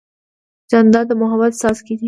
جانداد د محبت څاڅکی دی.